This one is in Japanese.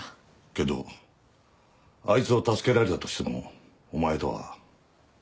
けどあいつを助けられたとしてもお前とは。